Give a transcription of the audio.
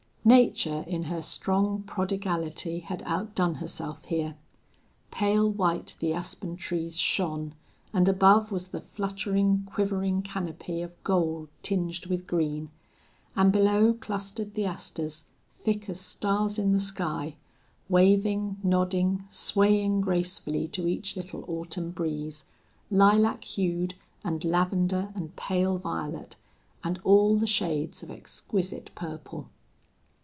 Nature in her strong prodigality had outdone herself here. Pale white the aspen trees shone, and above was the fluttering, quivering canopy of gold tinged with green, and below clustered the asters, thick as stars in the sky, waving, nodding, swaying gracefully to each little autumn breeze, lilac hued and lavender and pale violet, and all the shades of exquisite purple.